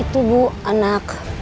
itu bu anak